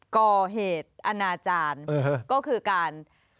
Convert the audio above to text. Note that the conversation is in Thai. ก่อเหตุอนาจารย์ก็คือการ